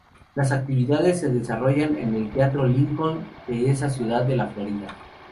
Las actividades se desarrollan en el Teatro Lincoln de esa ciudad de la Florida.